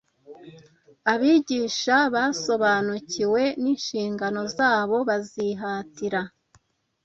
Abigisha basobanukiwe n’inshingano zabo bazihatira